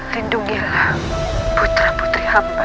lindungilah putra putri anda